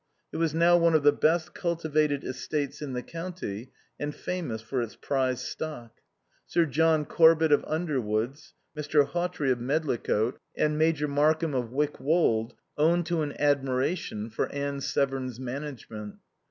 It was now one of the best cultivated estates in the county and famous for its prize stock. Sir John Corbett of Underwoods, Mr. Hawtrey of Medlicote, and Major Markham of Wyck Wold owned to an admiration for Anne Severn's management.